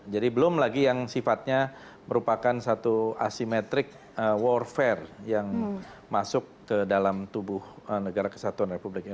jadi belum lagi yang sifatnya merupakan satu asimetrik warfare yang masuk ke dalam tubuh tni